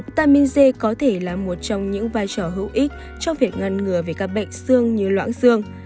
vitamin c có thể là một trong những vai trò hữu ích trong việc ngăn ngừa về các bệnh xương như loãng xương